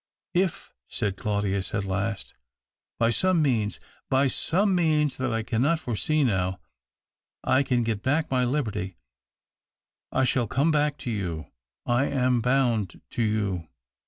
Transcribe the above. " If," said Claudius at last, " by some means — by some means that I cannot foresee now — I can get back my liberty, I shall come back to you. I am bound to you.